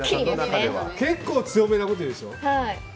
結構強めなこと言うでしょ。